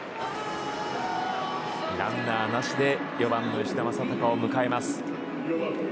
ランナーなしで４番の吉田正尚を迎えます。